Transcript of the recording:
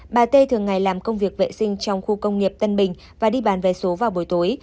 bà t thường ngày làm công việc vệ sinh trong khu công nghiệp tân bình và đi bán vé số vào buổi tối